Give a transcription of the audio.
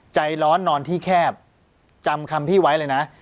ใจร้อนนอนที่แคบจำคำพี่ไว้เลยนะ